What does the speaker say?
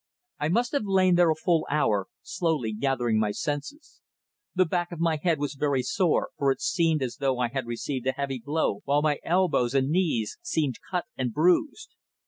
I must have lain there a full hour, slowly gathering my senses. The back of my head was very sore, for it seemed as though I had received a heavy blow, while my elbows and knees seemed cut and bruised.